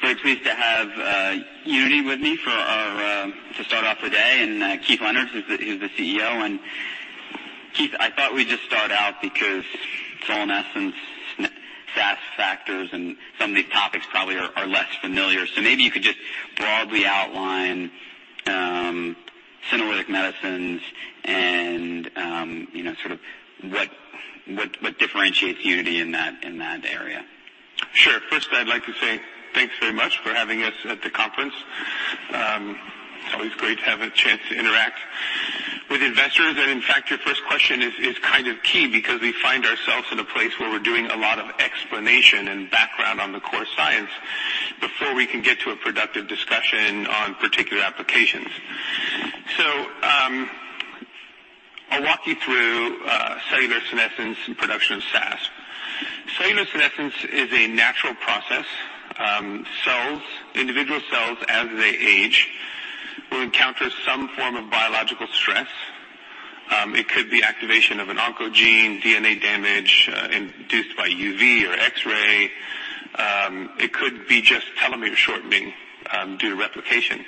Very pleased to have Unity with me to start off the day, and Keith Leonard, who's the CEO. Keith, I thought we'd just start out because cellular senescence, SASP factors, and some of these topics probably are less familiar. Maybe you could just broadly outline senolytic medicines and what differentiates Unity in that area. Sure. First, I'd like to say thanks very much for having us at the conference. It's always great to have a chance to interact with investors. In fact, your first question is key because we find ourselves in a place where we're doing a lot of explanation and background on the core science before we can get to a productive discussion on particular applications. I'll walk you through cellular senescence and production of SASP. Cellular senescence is a natural process. Cells, individual cells, as they age, will encounter some form of biological stress. It could be activation of an oncogene, DNA damage induced by UV or X-ray. It could be just telomere shortening due to replication.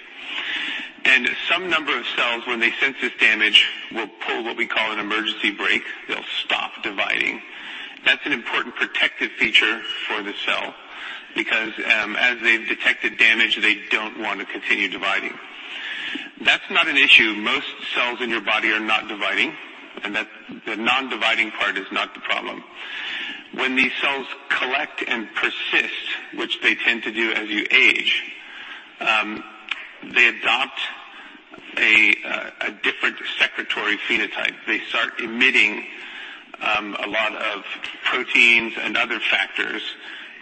Some number of cells, when they sense this damage, will pull what we call an emergency brake. They'll stop dividing. That's an important protective feature for the cell, because, as they've detected damage, they don't want to continue dividing. That's not an issue. Most cells in your body are not dividing, and the non-dividing part is not the problem. When these cells collect and persist, which they tend to do as you age, they adopt a different secretory phenotype. They start emitting a lot of proteins and other factors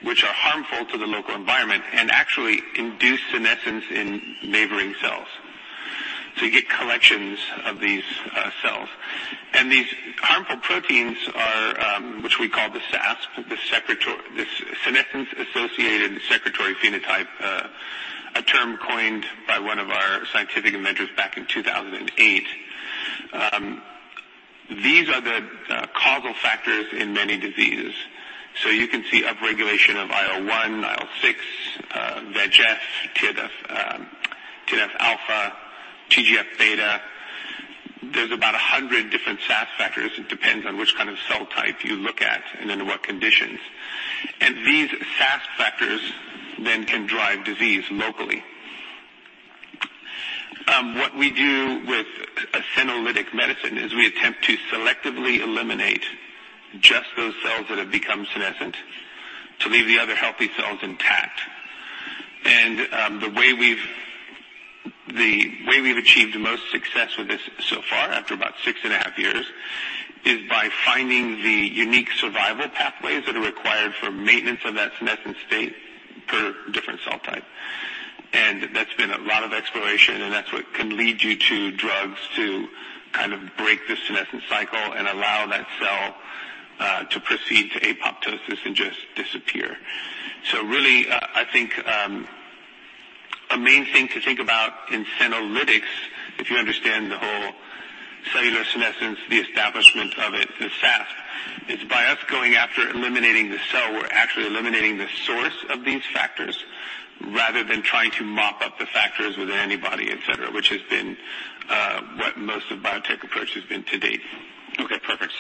which are harmful to the local environment and actually induce senescence in neighboring cells. You get collections of these cells. These harmful proteins are, which we call the SASP, the senescence-associated secretory phenotype, a term coined by one of our scientific inventors back in 2008. These are the causal factors in many diseases. You can see upregulation of IL-1, IL-6, VEGF, TNF-alpha, TGF-beta. There's about 100 different SASP factors. It depends on which kind of cell type you look at and under what conditions. These SASP factors then can drive disease locally. What we do with a senolytic medicine is we attempt to selectively eliminate just those cells that have become senescent to leave the other healthy cells intact. The way we've achieved the most success with this so far, after about six and a half years, is by finding the unique survival pathways that are required for maintenance of that senescent state per different cell type. That's been a lot of exploration, and that's what can lead you to drugs to kind of break the senescence cycle and allow that cell to proceed to apoptosis and just disappear. Really, I think, a main thing to think about in senolytics, if you understand the whole cellular senescence, the establishment of it, the SASP, is by us going after eliminating the cell, we're actually eliminating the source of these factors rather than trying to mop up the factors with an antibody, et cetera, which has been what most of the biotech approach has been to date. Okay, perfect.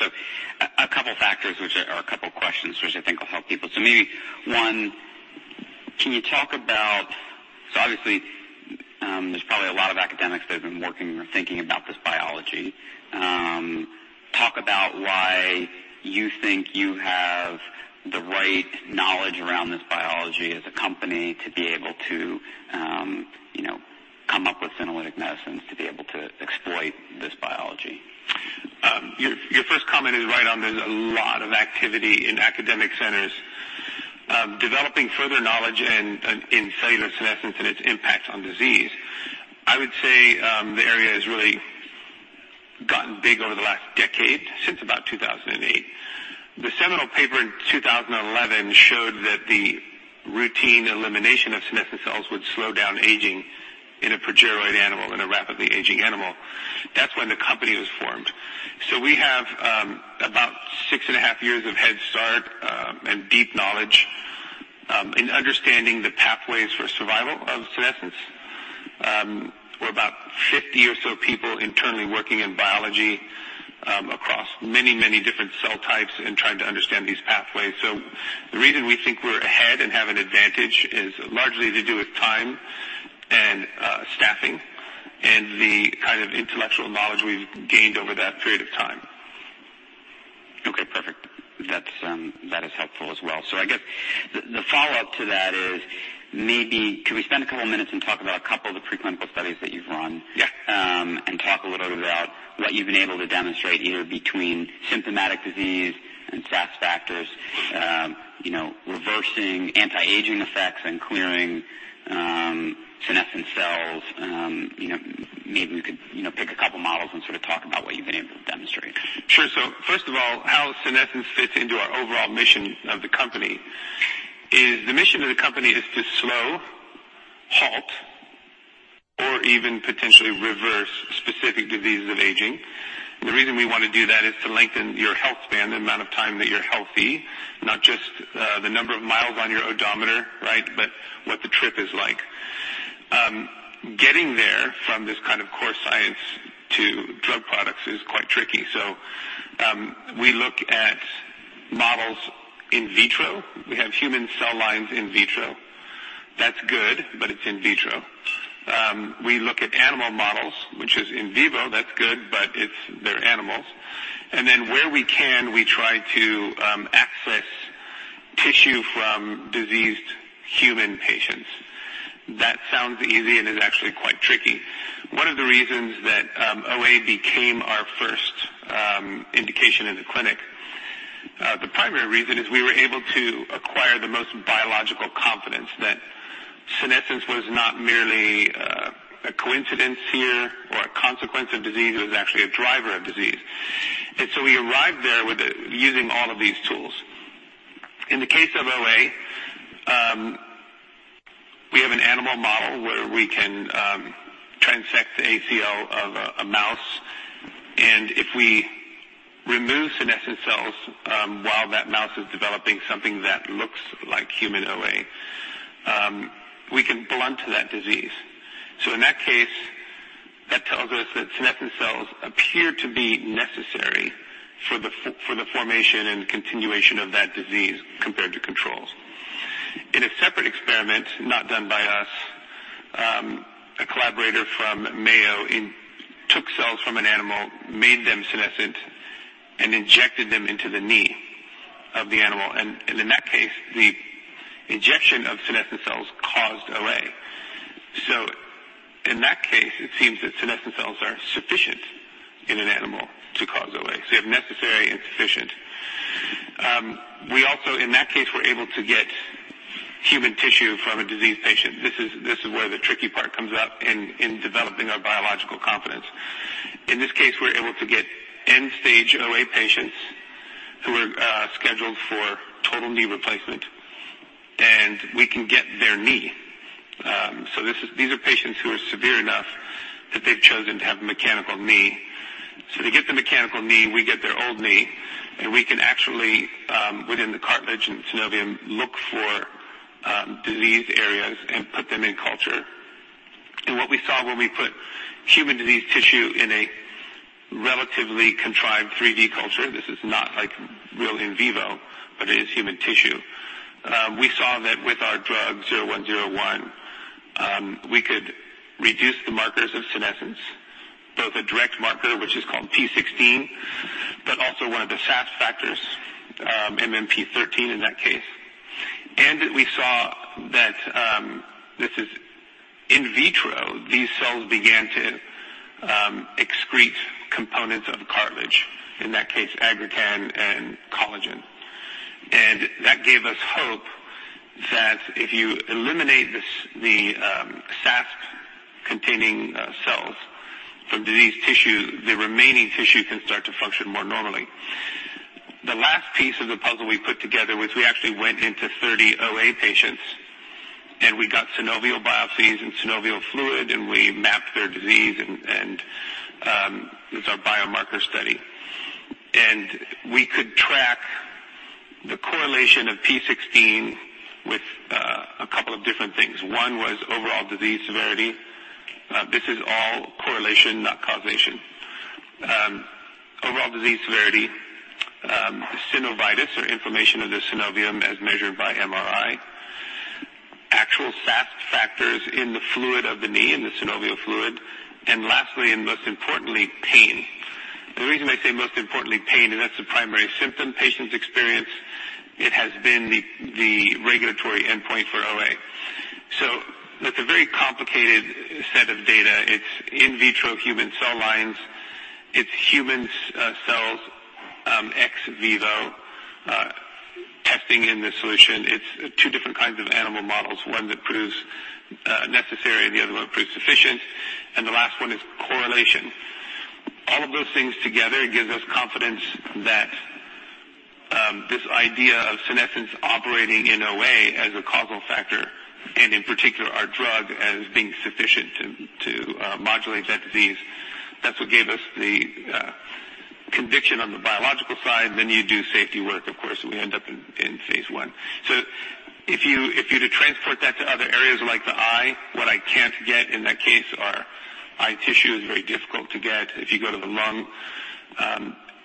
A couple of questions which I think will help people. Maybe, one, obviously, there's probably a lot of academics that have been working or thinking about this biology. Talk about why you think you have the right knowledge around this biology as a company to be able to come up with senolytic medicines to be able to exploit this biology. Your first comment is right on. There's a lot of activity in academic centers developing further knowledge in cellular senescence and its impact on disease. I would say the area has really gotten big over the last decade, since about 2008. The seminal paper in 2011 showed that the routine elimination of senescent cells would slow down aging in a progeroid animal, in a rapidly aging animal. That's when the company was formed. We have about six and a half years of head start and deep knowledge in understanding the pathways for survival of senescence. We're about 50 or so people internally working in biology across many different cell types and trying to understand these pathways. The reason we think we're ahead and have an advantage is largely to do with time and staffing and the kind of intellectual knowledge we've gained over that period of time. Okay, perfect. That is helpful as well. I guess the follow-up to that is, maybe could we spend a couple of minutes and talk about a couple of the preclinical studies that you've run? Yeah. Talk a little bit about what you've been able to demonstrate, either between symptomatic disease and SASP factors, reversing anti-aging effects and clearing senescent cells. Maybe we could pick a couple of models and sort of talk about what you've been able to demonstrate. Sure. First of all, how senescence fits into our overall mission of the company is the mission of the company is to slow, actually reverse specific diseases of aging. The reason we want to do that is to lengthen your health span, the amount of time that you're healthy, not just the number of miles on your odometer. But what the trip is like. Getting there from this kind of core science to drug products is quite tricky. We look at models in vitro. We have human cell lines in vitro. That's good, but it's in vitro. We look at animal models, which is in vivo, that's good, but they're animals. Then where we can, we try to access tissue from diseased human patients. That sounds easy and is actually quite tricky. One of the reasons that OA became our first indication in the clinic, the primary reason is we were able to acquire the most biological confidence that senescence was not merely a coincidence here or a consequence of disease. It was actually a driver of disease. We arrived there with using all of these tools. In the case of OA, we have an animal model where we can transect the ACL of a mouse, and if we remove senescent cells while that mouse is developing something that looks like human OA, we can blunt that disease. In that case, that tells us that senescent cells appear to be necessary for the formation and continuation of that disease compared to controls. In a separate experiment, not done by us, a collaborator from Mayo took cells from an animal, made them senescent, and injected them into the knee of the animal, and in that case, the injection of senescent cells caused OA. In that case, it seems that senescent cells are sufficient in an animal to cause OA. You have necessary and sufficient. We also, in that case, were able to get human tissue from a diseased patient. This is where the tricky part comes up in developing our biological confidence. In this case, we're able to get end-stage OA patients who are scheduled for total knee replacement, and we can get their knee. These are patients who are severe enough that they've chosen to have a mechanical knee. They get the mechanical knee, we get their old knee, and we can actually, within the cartilage and synovium, look for diseased areas and put them in culture. What we saw when we put human diseased tissue in a relatively contrived 3D culture, this is not like real in vivo, but it is human tissue. We saw that with our drug, 0101, we could reduce the markers of senescence, both a direct marker, which is called P16, but also one of the SASP factors, MMP13 in that case. We saw that this is in vitro. These cells began to excrete components of cartilage, in that case, aggrecan and collagen. That gave us hope that if you eliminate the SASP-containing cells from diseased tissue, the remaining tissue can start to function more normally. The last piece of the puzzle we put together was we actually went into 30 OA patients, and we got synovial biopsies and synovial fluid, and we mapped their disease, and it was our biomarker study. We could track the correlation of P16 with a couple of different things. One was overall disease severity. This is all correlation, not causation. Overall disease severity, synovitis or inflammation of the synovium as measured by MRI, actual SASP factors in the fluid of the knee, in the synovial fluid, and lastly, and most importantly, pain. The reason I say most importantly pain, that's the primary symptom patients experience. It has been the regulatory endpoint for OA. That's a very complicated set of data. It's in vitro human cell lines. It's human cells, ex vivo, testing in this solution. It's two different kinds of animal models, one that proves necessary and the other one proves sufficient. The last one is correlation. All of those things together gives us confidence that this idea of senescence operating in OA as a causal factor and in particular our drug as being sufficient to modulate that disease. That's what gave us the conviction on the biological side. You do safety work, of course, and we end up in phase I. If you were to transport that to other areas like the eye, what I can't get in that case are eye tissue is very difficult to get. If you go to the lung,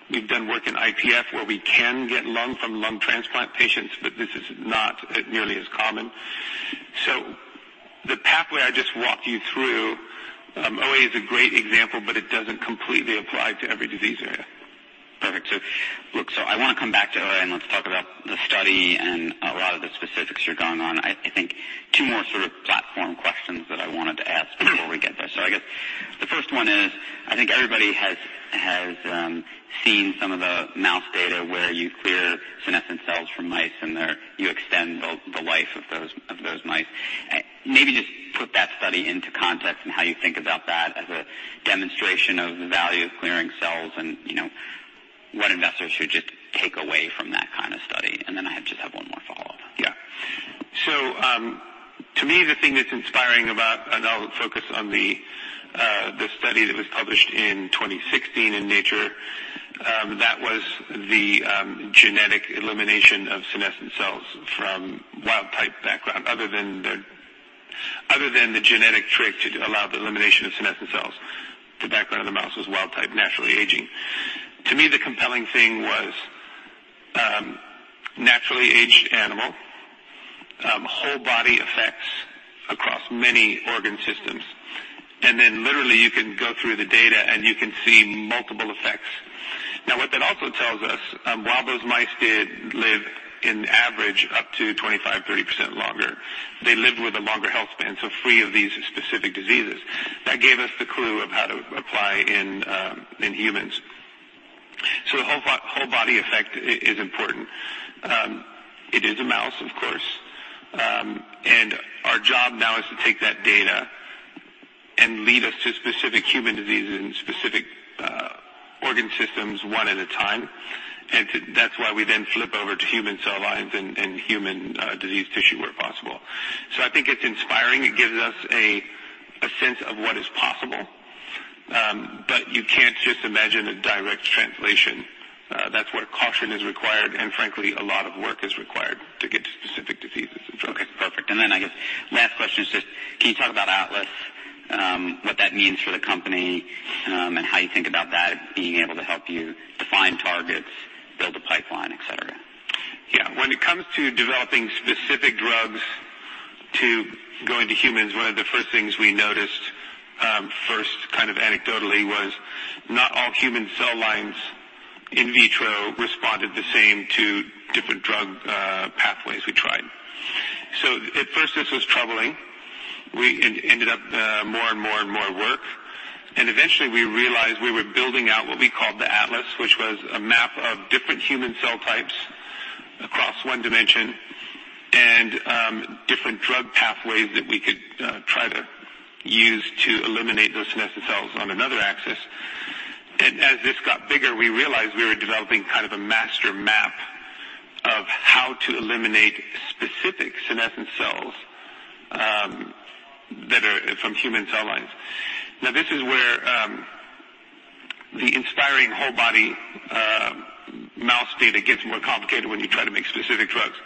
we've done work in IPF where we can get lung from lung transplant patients, but this is not nearly as common. The pathway I just walked you through, OA is a great example, it doesn't completely apply to every disease area. Perfect. I want to come back to OA, let's talk about the study and a lot of the specifics you're going on. I think two more sort of platform questions that I wanted to ask before we get there. I guess the first one is, I think everybody has seen some of the mouse data where you clear senescent cells from mice, you extend the life of those mice. Maybe just put that study into context and how you think about that as a demonstration of the value of clearing cells and what investors should just take away from that kind of study. I just have one more follow-up. To me, the thing that's inspiring about, I'll focus on the study that was published in 2016 in "Nature," that was the genetic elimination of senescent cells from wild-type background, other than the genetic trick to allow the elimination of senescent cells. The background of the mouse was wild type, naturally aging. To me, the compelling thing was naturally aged animal, whole body effects across many organ systems. Literally you can go through the data and you can see multiple effects. What that also tells us, while those mice did live in average up to 25%-30% longer, they lived with a longer health span, free of these specific diseases. That gave us the clue of how to apply in humans. The whole body effect is important. It is a mouse, of course. Our job now is to take that data and lead us to specific human diseases and specific organ systems one at a time. That's why we then flip over to human cell lines and human disease tissue where possible. I think it's inspiring. It gives us a sense of what is possible. You can't just imagine a direct translation. That's where caution is required, and frankly, a lot of work is required to get to specific diseases and drugs. Okay, perfect. I guess last question is just can you talk about Atlas, what that means for the company, and how you think about that being able to help you define targets, build a pipeline, et cetera? When it comes to developing specific drugs to go into humans, one of the first things we noticed, first kind of anecdotally, was not all human cell lines in vitro responded the same to different drug pathways we tried. At first, this was troubling. We ended up more and more work, and eventually we realized we were building out what we called the Atlas, which was a map of different human cell types across one dimension and different drug pathways that we could try to use to eliminate those senescent cells on another axis. As this got bigger, we realized we were developing kind of a master map of how to eliminate specific senescent cells that are from human cell lines. This is where the inspiring whole body mouse data gets more complicated when you try to make specific drugs.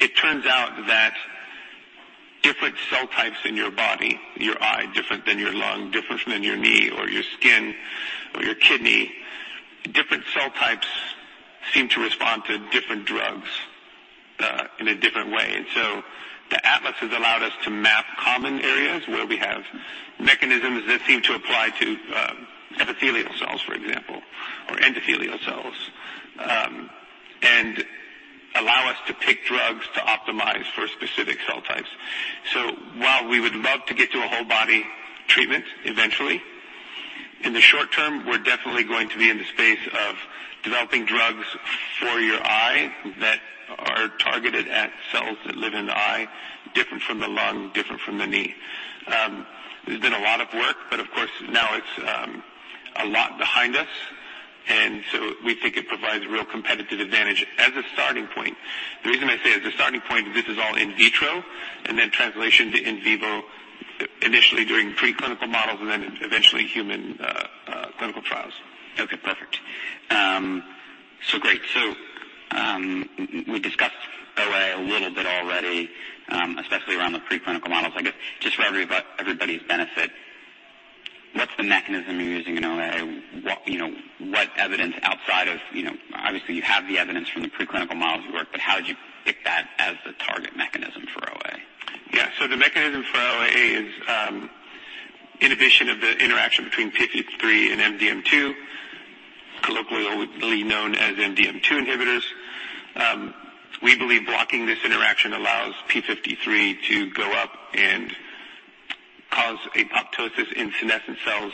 It turns out that different cell types in your body, your eye, different than your lung, different than your knee or your skin or your kidney, seem to respond to different drugs in a different way. The Atlas has allowed us to map common areas where we have mechanisms that seem to apply to epithelial cells, for example, or endothelial cells, and allow us to pick drugs to optimize for specific cell types. While we would love to get to a whole body treatment eventually, in the short term, we're definitely going to be in the space of developing drugs for your eye that are targeted at cells that live in the eye, different from the lung, different from the knee. There's been a lot of work, but of course now it's a lot behind us, and so we think it provides real competitive advantage as a starting point. The reason I say as a starting point, this is all in vitro and then translation to in vivo, initially during pre-clinical models and then eventually human clinical trials. Okay, perfect. Great. We discussed OA a little bit already, especially around the pre-clinical models. I guess just for everybody's benefit, what's the mechanism you're using in OA? What evidence outside of obviously you have the evidence from the pre-clinical models you work, but how did you pick that as the target mechanism for OA? Yeah. The mechanism for OA is inhibition of the interaction between p53 and MDM2, colloquially known as MDM2 inhibitors. We believe blocking this interaction allows p53 to go up and cause apoptosis in senescent cells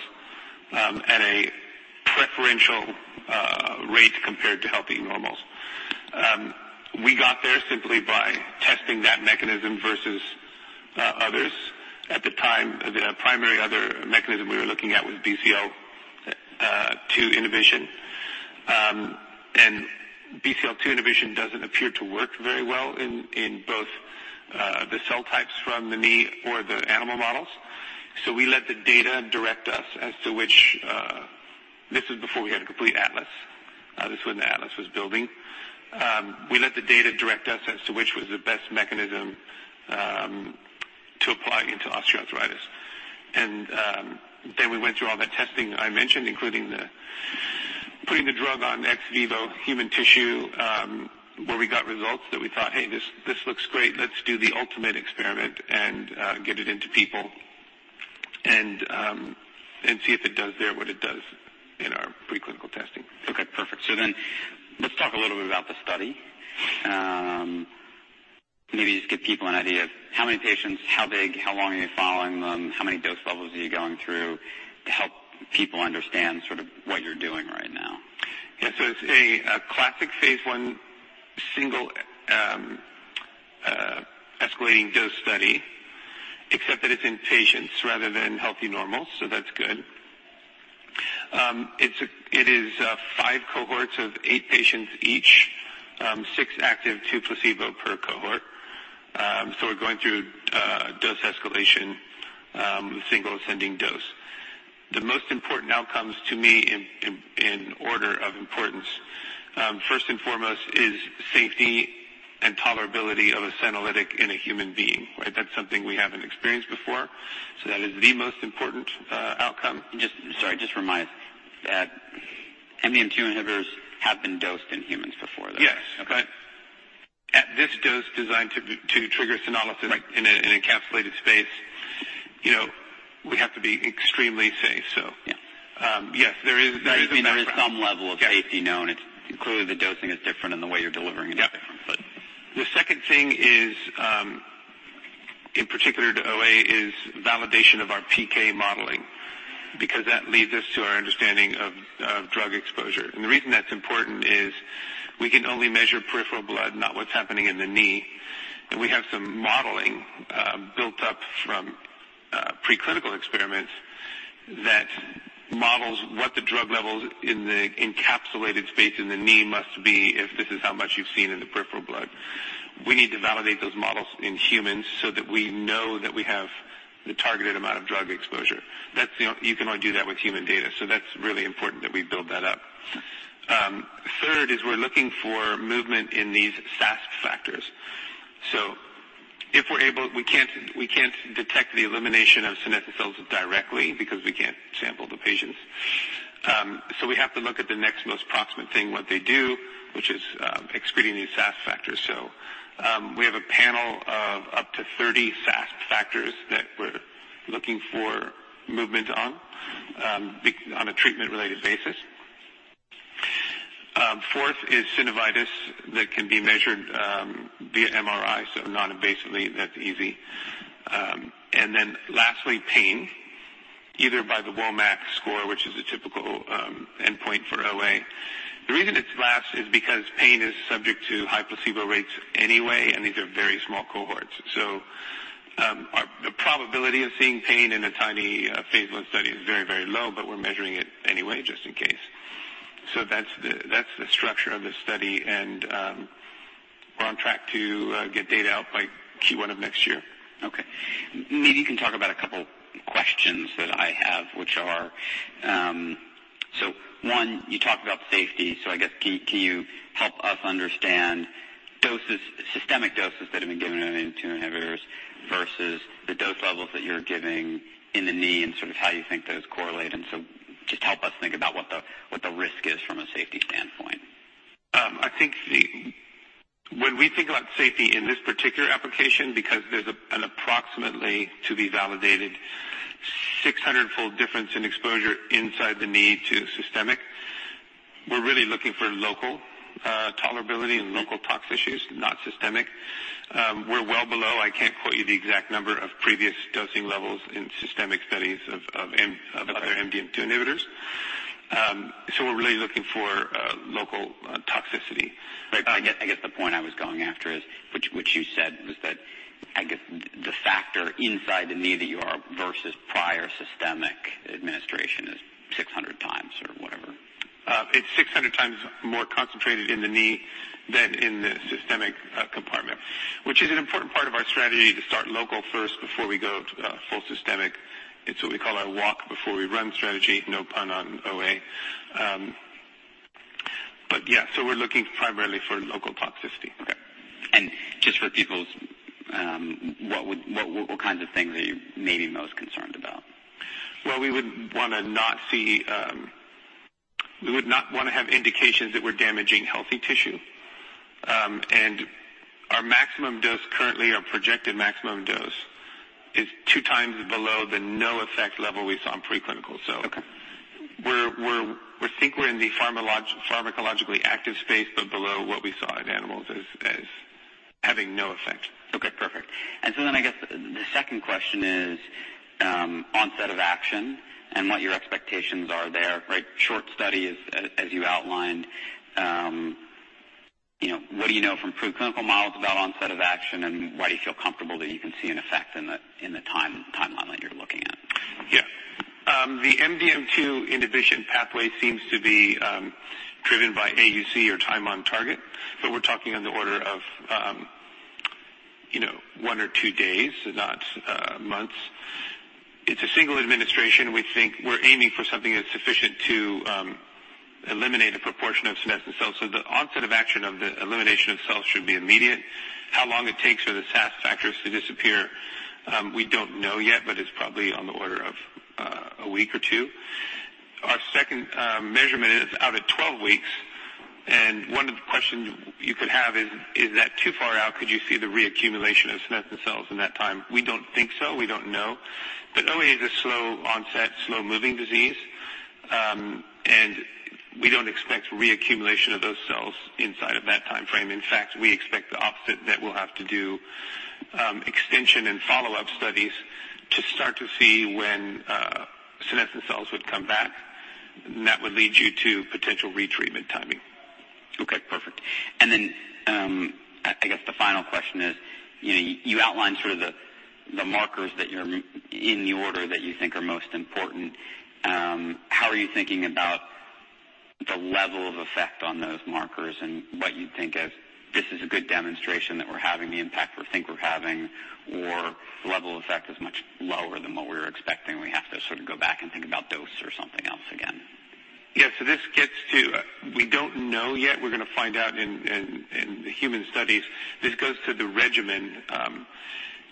at a preferential rate compared to healthy normals. We got there simply by testing that mechanism versus others. At the time, the primary other mechanism we were looking at was BCL2 inhibition. BCL2 inhibition doesn't appear to work very well in both the cell types from the knee or the animal models. We let the data direct us as to which this was before we had a complete Atlas. This was when the Atlas was building. We let the data direct us as to which was the best mechanism to apply into osteoarthritis. We went through all that testing I mentioned, including the putting the drug on ex vivo human tissue, where we got results that we thought, "Hey, this looks great. Let's do the ultimate experiment and get it into people and see if it does there what it does in our pre-clinical testing. Okay, perfect. Let's talk a little bit about the study. Maybe just give people an idea of how many patients, how big, how long are you following them, how many dose levels are you going through to help people understand sort of what you're doing right now? Yeah. It's a classic phase I single ascending dose study, except that it's in patients rather than healthy normals, so that's good. It is five cohorts of eight patients each, six active, two placebo per cohort. We're going through dose escalation, single ascending dose. The most important outcomes to me in order of importance, first and foremost, is safety and tolerability of a senolytic in a human being. That's something we haven't experienced before. That is the most important outcome. Sorry, just remind us that MDM2 inhibitors have been dosed in humans before, though. Yes. Okay. At this dose designed to trigger senolysis. Right In an encapsulated space, we have to be extremely safe. Yeah. Yes, there is a background. There is some level of safety known. Clearly, the dosing is different and the way you're delivering it is different. Yeah. The second thing is, in particular to OA, is validation of our PK modeling, because that leads us to our understanding of drug exposure. The reason that's important is we can only measure peripheral blood, not what's happening in the knee. We have some modeling built up from pre-clinical experiments that models what the drug levels in the encapsulated space in the knee must be if this is how much you've seen in the peripheral blood. We need to validate those models in humans so that we know that we have the targeted amount of drug exposure. You can only do that with human data. That's really important that we build that up. Third is we're looking for movement in these SASP factors. We can't detect the elimination of senescent cells directly because we can't sample the patients. We have to look at the next most proximate thing, what they do, which is excreting these SASP factors. We have a panel of up to 30 SASP factors that we're looking for movement on a treatment-related basis. Fourth is synovitis that can be measured via MRI, non-invasively, that's easy. Lastly, pain, either by the WOMAC score, which is a typical endpoint for OA. The reason it's last is because pain is subject to high placebo rates anyway, and these are very small cohorts. The probability of seeing pain in a tiny phase I study is very low, but we're measuring it anyway, just in case. That's the structure of the study, and we're on track to get data out by Q1 of next year. Okay. Maybe you can talk about a couple questions that I have. One, you talked about safety, so I guess, can you help us understand systemic doses that have been given in MDM2 inhibitors versus the dose levels that you're giving in the knee and sort of how you think those correlate, just help us think about what the risk is from a safety standpoint. When we think about safety in this particular application, because there's an approximately, to be validated, 600-fold difference in exposure inside the knee to systemic. We're really looking for local tolerability and local tox issues, not systemic. We're well below, I can't quote you the exact number, of previous dosing levels in systemic studies of other MDM2 inhibitors. We're really looking for local toxicity. Right. I guess the point I was going after is, which you said, was that, I guess the factor inside the knee that you are versus prior systemic administration is 600 times or whatever. It's 600 times more concentrated in the knee than in the systemic compartment, which is an important part of our strategy to start local first before we go to full systemic. It's what we call our walk before we run strategy, no pun on OA. Yeah, we're looking primarily for local toxicity. Okay. Just for people, what kinds of things are you maybe most concerned about? Well, we would not want to have indications that we're damaging healthy tissue. Our maximum dose currently, our projected maximum dose, is two times below the no effect level we saw in pre-clinical. Okay. We think we're in the pharmacologically active space, but below what we saw in animals as having no effect. Okay, perfect. I guess the second question is onset of action and what your expectations are there. Short study, as you outlined. What do you know from pre-clinical models about onset of action, and why do you feel comfortable that you can see an effect in the timeline that you're looking at? Yeah. The MDM2 inhibition pathway seems to be driven by AUC or time on target, but we're talking on the order of one or two days, not months. It's a single administration. We're aiming for something that's sufficient to eliminate a proportion of senescent cells. The onset of action of the elimination of cells should be immediate. How long it takes for the SASP factors to disappear, we don't know yet, but it's probably on the order of a week or two. Our second measurement is out at 12 weeks, and one of the questions you could have is that too far out? Could you see the re-accumulation of senescent cells in that time? We don't think so. We don't know. OA is a slow onset, slow-moving disease. We don't expect re-accumulation of those cells inside of that timeframe. In fact, we expect the opposite, that we'll have to do extension and follow-up studies to start to see when senescent cells would come back, and that would lead you to potential retreatment timing. Okay, perfect. I guess the final question is, you outlined sort of the markers in the order that you think are most important. How are you thinking about the level of effect on those markers and what you think of this is a good demonstration that we're having the impact we think we're having, or the level of effect is much lower than what we were expecting, we have to sort of go back and think about dose or something else again? Yeah. This gets to, we don't know yet. We're going to find out in the human studies. This goes to the regimen.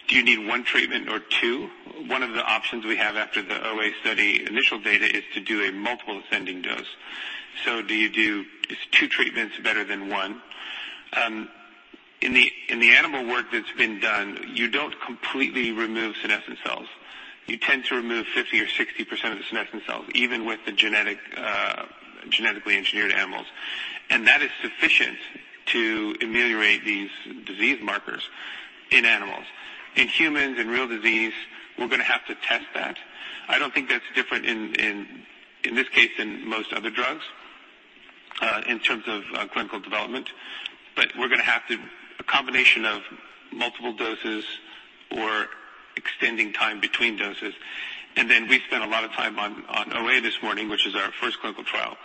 Do you need one treatment or two? One of the options we have after the OA study initial data is to do a multiple ascending dose. Is two treatments better than one? In the animal work that's been done, you don't completely remove senescent cells. You tend to remove 50% or 60% of the senescent cells, even with the genetically engineered animals. That is sufficient to ameliorate these disease markers in animals. In humans, in real disease, we're going to have to test that. I don't think that's different in this case than most other drugs, in terms of clinical development. We're going to have to, a combination of multiple doses or extending time between doses. We spent a lot of time on OA this morning, which is our first clinical trial.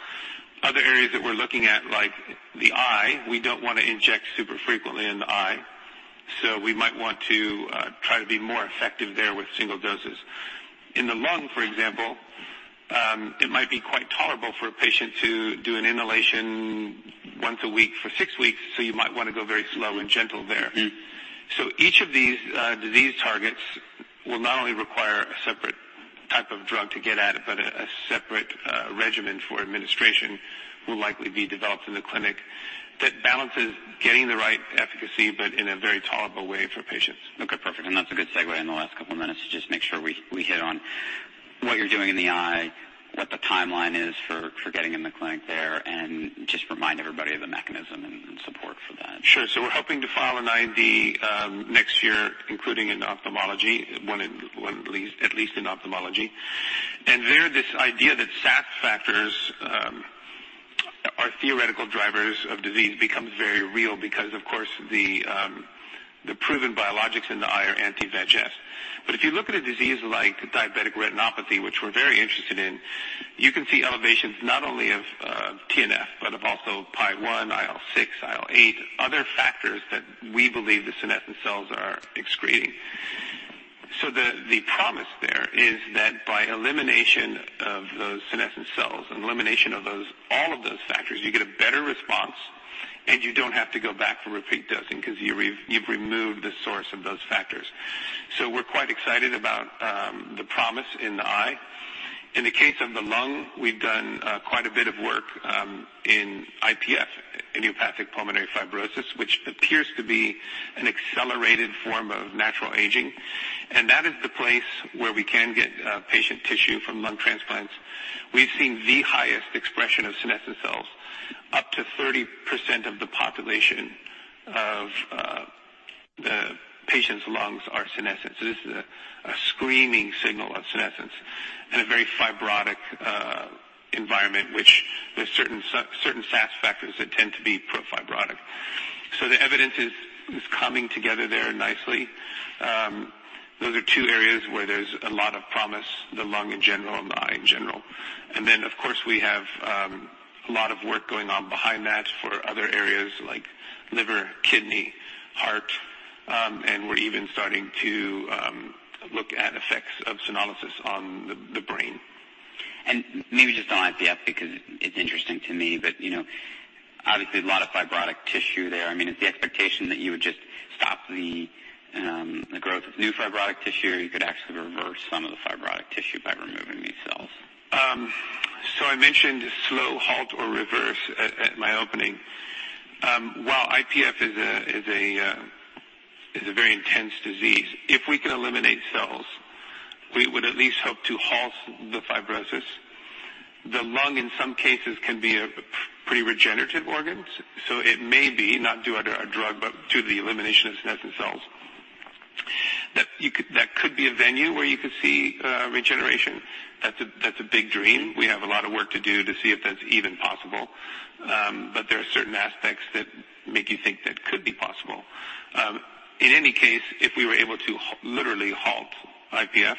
Other areas that we're looking at, like the eye, we don't want to inject super frequently in the eye. We might want to try to be more effective there with single doses. In the lung, for example, it might be quite tolerable for a patient to do an inhalation once a week for six weeks, you might want to go very slow and gentle there. Each of these disease targets will not only require a separate type of drug to get at it, but a separate regimen for administration will likely be developed in the clinic that balances getting the right efficacy, but in a very tolerable way for patients. Okay, perfect. That's a good segue in the last couple of minutes to just make sure we hit on what you're doing in the eye, what the timeline is for getting in the clinic there, and just remind everybody of the mechanism and support for that. Sure. We're hoping to file an IND next year, including in ophthalmology, at least in ophthalmology. There, this idea that SASP factors are theoretical drivers of disease becomes very real because, of course, the proven biologics in the eye are anti-VEGF. If you look at a disease like diabetic retinopathy, which we're very interested in, you can see elevations not only of TNF, but of also PAI-1, IL-6, IL-8, other factors that we believe the senescent cells are excreting. The promise there is that by elimination of those senescent cells and elimination of all of those factors, you get a better response, and you don't have to go back for repeat dosing because you've removed the source of those factors. We're quite excited about the promise in the eye. In the case of the lung, we've done quite a bit of work in IPF, idiopathic pulmonary fibrosis, which appears to be an accelerated form of natural aging. That is the place where we can get patient tissue from lung transplants. We've seen the highest expression of senescent cells. Up to 30% of the population of the patient's lungs are senescent. This is a screaming signal of senescence in a very fibrotic environment, which there's certain SASP factors that tend to be pro-fibrotic. The evidence is coming together there nicely. Those are two areas where there's a lot of promise, the lung in general and the eye in general. Then, of course, we have a lot of work going on behind that for other areas like liver, kidney, heart. We're even starting to look at effects of senolysis on the brain. Maybe just on IPF, it's interesting to me, obviously a lot of fibrotic tissue there. Is the expectation that you would just stop the growth of new fibrotic tissue, or you could actually reverse some of the fibrotic tissue by removing these cells? I mentioned slow, halt, or reverse at my opening. While IPF is a very intense disease, if we can eliminate cells, we would at least hope to halt the fibrosis. The lung, in some cases, can be a pretty regenerative organ. It may be, not due to our drug, due to the elimination of senescent cells. That could be a venue where you could see regeneration. That's a big dream. We have a lot of work to do to see if that's even possible. There are certain aspects that make you think that could be possible. In any case, if we were able to literally halt IPF,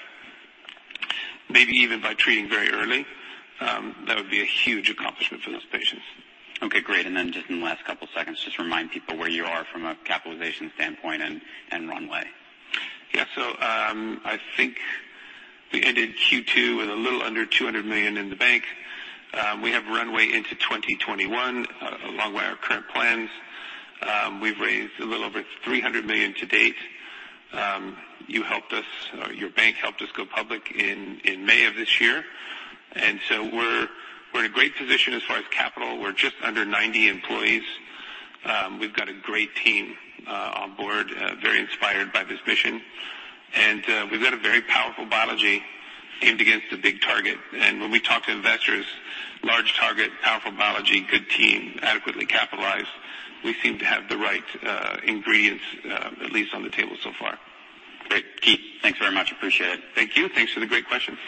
maybe even by treating very early, that would be a huge accomplishment for those patients. Okay, great. Just in the last couple seconds, just remind people where you are from a capitalization standpoint and runway. Yeah. I think we ended Q2 with a little under $200 million in the bank. We have runway into 2021, along with our current plans. We've raised a little over $300 million to date. Your bank helped us go public in May of this year. We're in a great position as far as capital. We're just under 90 employees. We've got a great team on board, very inspired by this mission. We've got a very powerful biology aimed against a big target. When we talk to investors, large target, powerful biology, good team, adequately capitalized. We seem to have the right ingredients, at least on the table so far. Great. Keith, thanks very much. Appreciate it. Thank you. Thanks for the great questions.